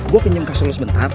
gue pinjam kasur lu sebentar